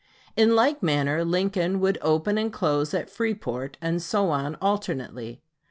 In like manner Lincoln should open and close at Freeport, and so on alternately.